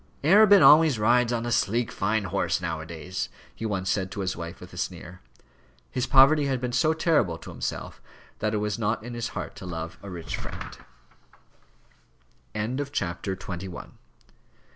"Arabin always rides on a sleek, fine horse, now a days," he once said to his wife with a sneer. His poverty had been so terrible to himself that it was not in his heart to love a rich friend.